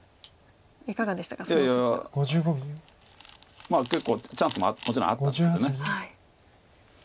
まあ結構チャンスももちろんあったんですけど。